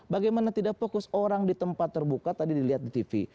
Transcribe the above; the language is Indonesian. bagaimana tidak fokus orang di tempat terbuka tadi dilihat di tv